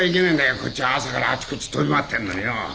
こっちは朝からあちこち飛び回ってんのによ！